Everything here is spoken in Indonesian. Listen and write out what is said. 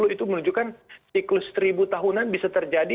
itu menunjukkan siklus seribu tahunan bisa terjadi